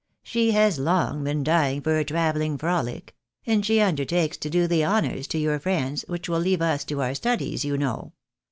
She has long been dying for a travelling frohc ; and she undertakes to do the honours to your friends, which will leave us to our studies, you know.